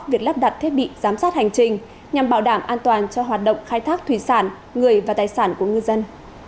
việc lắp đặt thiết bị giám sát hành trình nhằm bảo đảm an toàn cho hoạt động khai thác thủy sản người và tài sản của ngư dân